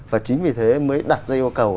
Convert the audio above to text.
và chính vì thế mới đặt ra yêu cầu